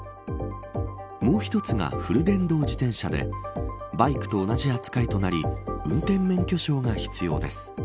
もう１つが、フル電動自転車でバイクと同じ扱いとなり運転免許証が必要です。